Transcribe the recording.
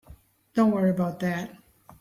Don't worry about that.